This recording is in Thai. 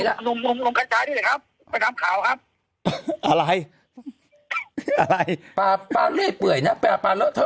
ครับอ่าแล้วเดี๋ยวนะมันไปถึงไหนแล้ว